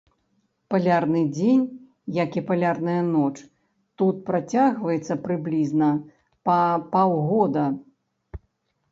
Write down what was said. Палярны дзень, як і палярная ноч, тут працягваецца прыблізна па паўгода.